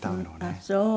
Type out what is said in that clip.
あっそう。